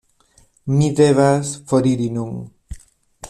Mi devas foriri nun.